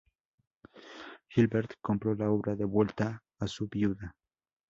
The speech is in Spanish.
Gilbert compró la obra de vuelta a su viuda.